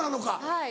はい